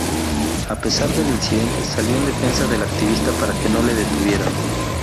A pesar del incidente, salió en defensa del activista para que no le detuvieran.